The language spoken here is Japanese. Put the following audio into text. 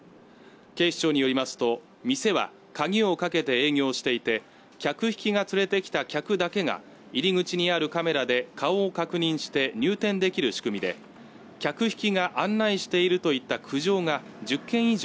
警視庁によりますと店は鍵をかけて営業していて客引きが連れてきた客だけが入り口にあるカメラで顔を確認して入店できる仕組みで客引きが案内しているといった苦情が１０件以上